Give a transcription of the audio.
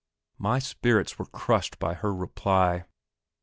My spirits were crushed by her reply.